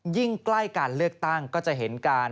ใกล้การเลือกตั้งก็จะเห็นการ